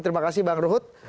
terima kasih bang ruhut